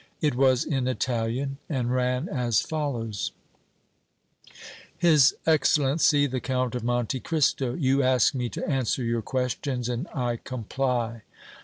It was in Italian, and ran as follows: HIS EXCELLENCY, THE COUNT OF MONTE CRISTO: You ask me to answer your questions, and I comply.